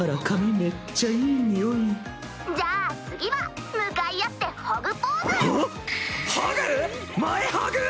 じゃあ次は向かい合ってハグポーズ！